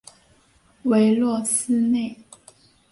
韦洛斯内。